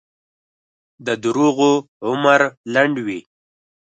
د دروغو عمر لنډ وي.